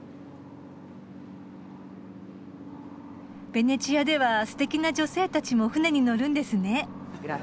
ベネチアではすてきな女性たちも舟に乗るんですね。